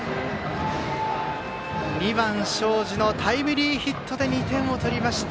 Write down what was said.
２番、東海林のタイムリーヒットで２点を取りました。